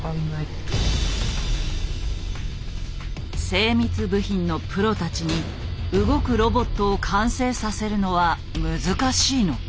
精密部品のプロたちに動くロボットを完成させるのは難しいのか？